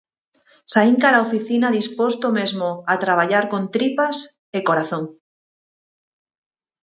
Saín cara á oficina disposto mesmo a traballar con tripas e corazón.